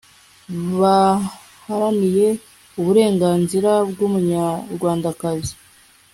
baharaniye uburenganzira bw'umunyarwandakazi